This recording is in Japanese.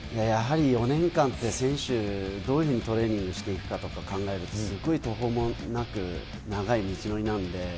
やはり４年間って、選手、どういうふうにトレーニングしていくかとか考えると、すごい途方もなく長い道のりなんで。